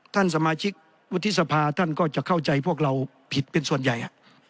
ท่านสมาชิกวุฒิสภาท่านก็จะเข้าใจพวกเราผิดเป็นส่วนใหญ่